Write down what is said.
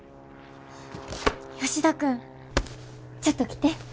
吉田君ちょっと来て。